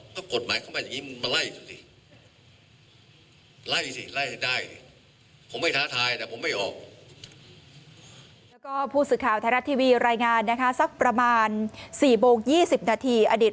ก็กฎหมายเข้ามาอย่างนี้มาไล่สิ